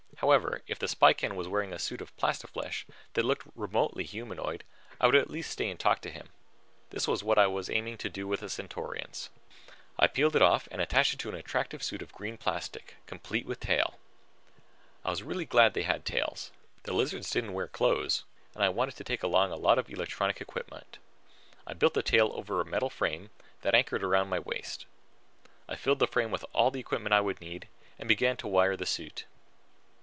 However, if the Spican was wearing a suit of plastiflesh that looked remotely humanoid, I would at least stay and talk to him. This was what I was aiming to do with the Centaurians. When the head was done, I peeled it off and attached it to an attractive suit of green plastic, complete with tail. I was really glad they had tails. The lizards didn't wear clothes and I wanted to take along a lot of electronic equipment. I built the tail over a metal frame that anchored around my waist. Then I filled the frame with all the equipment I would need and began to wire the suit.